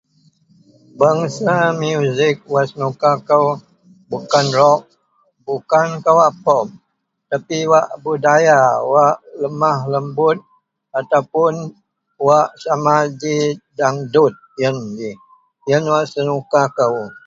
Bengsa muzik wak senuka kou bukan rok, bukan kawak pop tapi wak budaya wak lemah lembut ataupun wak sama ji dangdut yen ji. Yen wak senuka kou.